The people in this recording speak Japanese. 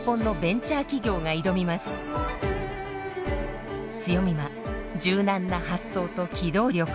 強みは柔軟な発想と機動力。